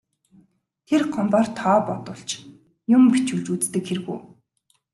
Тэр Гомбоор тоо бодуулж, юм бичүүлж үздэг хэрэг үү.